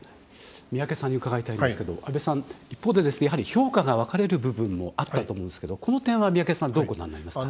宮家さんに伺いたいんですけど安倍さん、一方でですねやはり、評価が分かれる部分もあったと思うんですけどこの点は、宮家さんどうご覧になりますか？